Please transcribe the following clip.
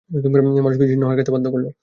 মানুষকে জীর্ণ হাড় খেতে বাধ্য করল।